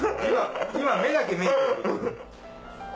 今目だけ見えてるから。